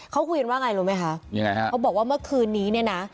เขาคุยกันว่าไงรู้ไหมคะเขาบอกว่าเมื่อคืนนี้นะ